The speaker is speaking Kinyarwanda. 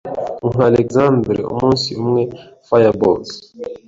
Nka Alexandre umunsi umwe fireballs